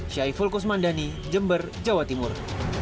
syai fulkus mandani jember jawa timur